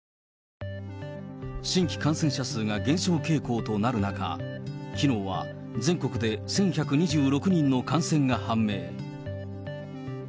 新規感染者数が減少傾向となる中、きのうは全国で１１２６人の感染が判明。